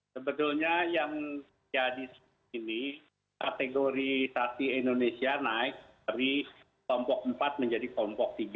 sebetulnya yang jadi ini kategorisasi indonesia naik dari kelompok empat menjadi kelompok tiga